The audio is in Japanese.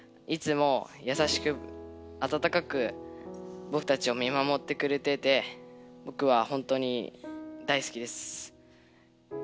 いつもやさしくあたたかくぼくたちを見守ってくれててぼくはほんとに大好きです。